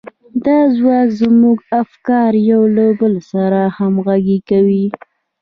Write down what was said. دا ځواک زموږ افکار يو له بل سره همغږي کوي.